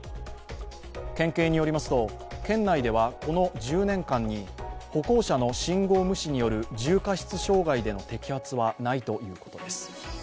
県警によりますと、県内ではこの１０年間に歩行者の信号無視による重過失傷害での摘発はないということです。